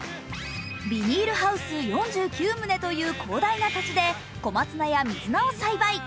ビニールハウス４９棟という広大な土地で小松菜や水菜を栽培。